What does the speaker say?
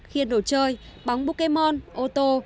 khiên đồ chơi bóng pokemon ô tô